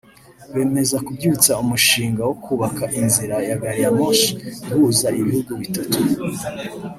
bemeza kubyutsa umushinga wo kubaka inzira ya Gari ya moshi ihuza ibihugu bitatu